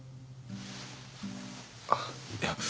あっいや。